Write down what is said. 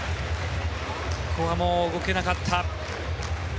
ここはもう動けなかった。